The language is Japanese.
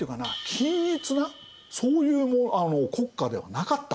均一なそういう国家ではなかった。